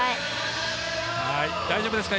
大丈夫ですか。